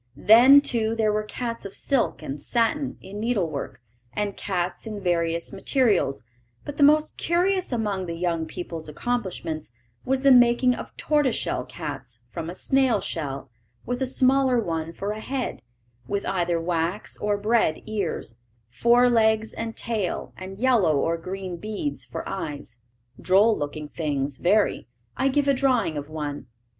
Then, too, there were cats of silk and satin, in needlework, and cats in various materials; but the most curious among the young people's accomplishments was the making of tortoiseshell cats from a snail shell, with a smaller one for a head, with either wax or bread ears, fore legs and tail, and yellow or green beads for eyes. Droll looking things very. I give a drawing of one.